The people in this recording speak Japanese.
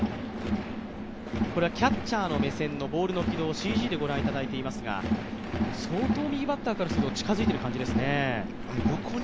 キャッチャーの目線のボールの軌道をＣＧでご覧いただいていますが相当右バッターからすると近づいている感じですね。